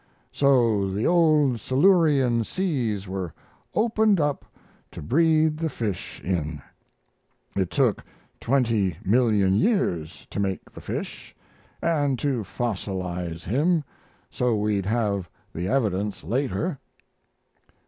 So the old Silurian seas were opened up to breed the fish in. It took twenty million years to make the fish and to fossilize him so we'd have the evidence later.